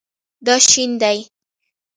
دا شین دی